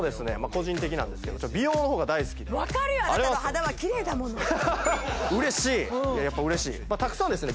個人的なんですけど美容の方が大好きで分かるよあなたの肌はキレイだもの嬉しいっやっぱ嬉しいたくさんですね